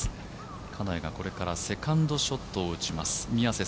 金谷がこれからセカンドショットを打ちます。